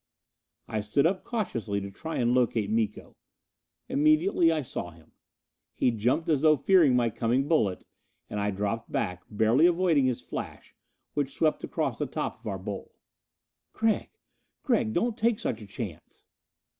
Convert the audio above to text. I stood up cautiously to try and locate Miko. Immediately I saw him. He jumped as though fearing my coming bullet, and I dropped back, barely avoiding his flash, which swept across the top of our bowl. "Gregg Gregg, don't take such a chance!"